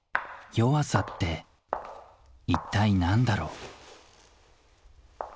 「弱さ」って一体何だろう？